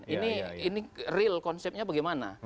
ini real konsepnya bagaimana